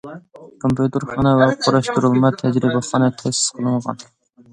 كومپيۇتېرخانا ۋە قۇراشتۇرۇلما تەجرىبىخانا تەسىس قىلىنغان.